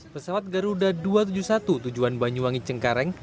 pesawat garuda dua ratus tujuh puluh satu tujuan banyuwangi cengkareng